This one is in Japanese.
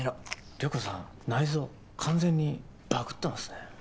涼子さん内臓完全にバグってますね。